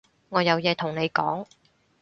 我有嘢同你講